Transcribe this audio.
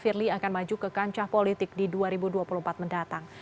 firly akan maju ke kancah politik di dua ribu dua puluh empat mendatang